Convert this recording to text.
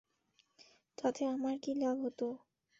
তাতে আমার কী লাভ হতো?